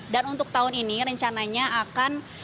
dan untuk tahun ini rencananya akan